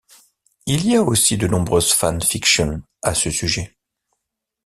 Il y a aussi de nombreuses fanfictions à ce sujet.